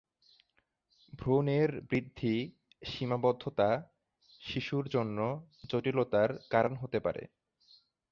ভ্রূণের বৃদ্ধি সীমাবদ্ধতা, শিশুর জন্য জটিলতার কারণ হতে পারে।